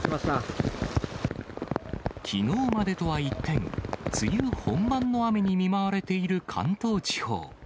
きのうまでとは一転、梅雨本番の雨に見舞われている関東地方。